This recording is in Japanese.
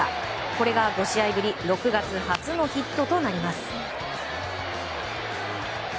これが５試合ぶり６月初のヒットとなります。